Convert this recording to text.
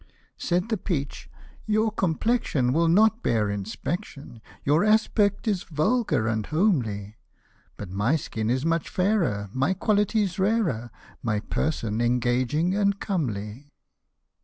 Said the peach, "your complexion will not bear in spection, Your aspect is vulgar and homely ; But my skin is much fairer, my qualities rarer, My person engaging and comely."